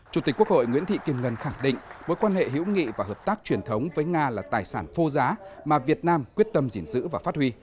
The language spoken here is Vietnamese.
chủ tịch quốc hội nguyễn thị kim ngân khẳng định mối quan hệ hữu nghị và hợp tác truyền thống với nga là tài sản phô giá mà việt nam quyết tâm gìn giữ và phát huy